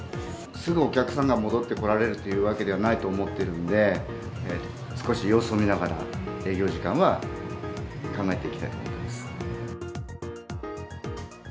すぐお客様が戻ってこられるというわけではないと思っているので、少し様子を見ながら、営業時間は考えていきたいと思います。